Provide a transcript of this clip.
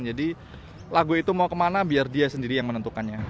jadi lagu itu mau kemana biar dia sendiri yang menentukannya